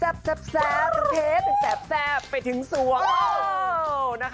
เพชรเป็นแซ่บไปถึงสวง